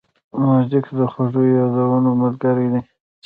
موزیک د خوږو یادونو ملګری دی.